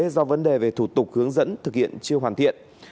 do vấn đề về thủ tục hướng dẫn thực hiện chưa hoàn thiện